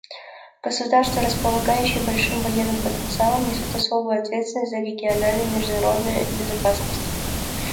Государства, располагающие большим военным потенциалом, несут особую ответственность за региональную и международную безопасность.